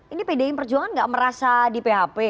ini pdi perjuangan nggak merasa di php